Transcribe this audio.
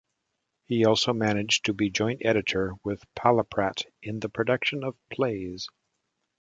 He also managed to be joint editor with Palaprat in the production of plays.